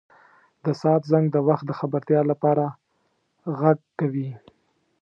• د ساعت زنګ د وخت د خبرتیا لپاره ږغ کوي.